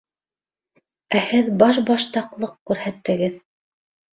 Ә һеҙ башбаштаҡлыҡ күрһәттегеҙ.